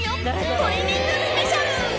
トリミングスペシャル。